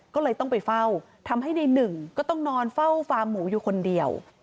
ก็เลยต้องไปเฝ้าทำให้ในหนึ่งก็ต้องนอนเฝ้าฟาร์มหมูอยู่คนเดียว